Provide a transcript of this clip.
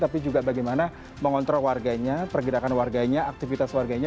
tapi juga bagaimana mengontrol warganya pergerakan warganya aktivitas warganya